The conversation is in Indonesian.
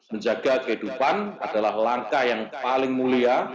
menjaga kehidupan adalah langkah yang paling mulia